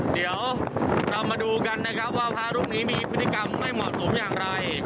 เดี๋ยวเรามาดูกันนะครับว่าพระรูปนี้มีพฤติกรรมไม่เหมาะสมอย่างไร